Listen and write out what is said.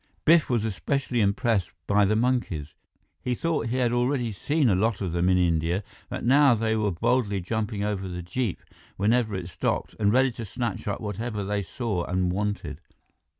Biff was especially impressed by the monkeys. He thought he had already seen a lot of them in India, but now they were boldly jumping over the jeep whenever it stopped and ready to snatch up whatever they saw and wanted.